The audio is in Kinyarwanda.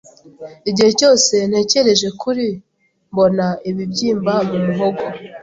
Igihe cyose ntekereje kuri , mbona ibibyimba mu muhogo.